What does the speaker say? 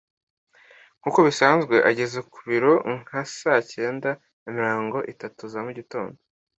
Nkuko bisanzwe, ageze ku biro nka saa cyenda na mirongo itatu za mugitondo.